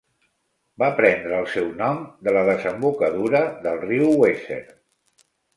Va prendre el seu nom de la desembocadura del riu Weser.